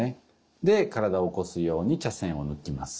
で体を起こすように茶筅を抜きます。